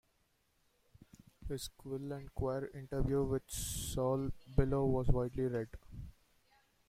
His "Quill & Quire" interview with Saul Bellow was widely read.